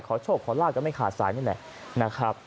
ขอโชคขอร่าวก็ไม่ขาดสายนี่แหละ